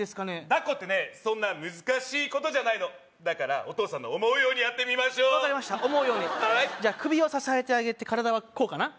だっこってねそんな難しいことじゃないのだからお父さんの思うようにやってみましょう分かりました思うようにはいじゃあ首を支えてあげて体はこうかな？